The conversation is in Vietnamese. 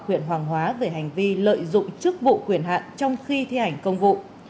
huyện hoàng hóa về hành vi lợi dụng chức vụ quyền hạn trong khi thi hành công vụ